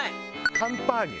カンパーニュ？